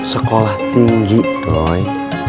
sekolah tinggi doi